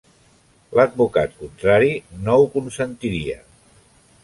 L'advocat contrari no ho consentiria.